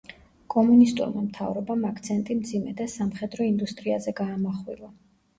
კომუნისტურმა მთავრობამ აქცენტი მძიმე და სამხედრო ინდუსტრიაზე გაამახვილა.